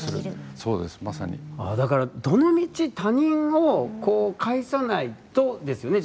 だから、どの道他人を介さないとですよね